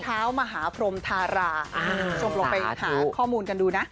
ท้าวมหาพรมทาราชมลงไปหาข้อมูลกันดูนะ